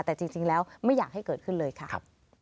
แต่จริงแล้วไม่อยากให้เกิดขึ้นเลยค่ะ